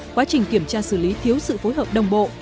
quá trình kiểm tra xử lý thiếu sự phối hợp đồng bộ